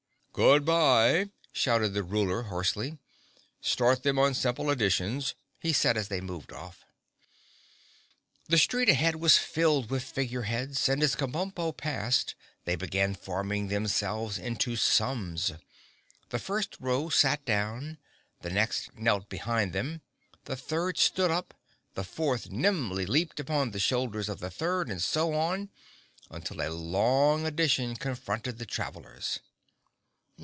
"Good bye!" shouted the Ruler hoarsely. "Start them on simple additions," he said as they moved off. The street ahead was filled with Figure Heads and as Kabumpo paused they began forming themselves into sums. The first row sat down, the next knelt behind them, the third stood up, the fourth nimbly leaped upon the shoulders of the third, and so on, until a long addition confronted the travelers.